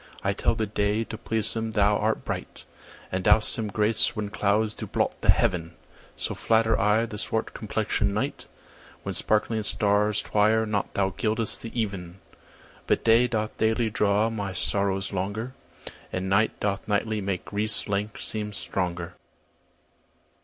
I tell the day, to please him thou art bright, And dost him grace when clouds do blot the heaven: So flatter I the swart complexion'd night, When sparkling stars twire not thou gild'st the even. But day doth daily draw my sorrows longer, And night doth nightly make grief's length seem stronger.